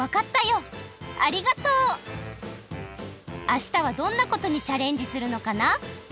あしたはどんなことにチャレンジするのかな？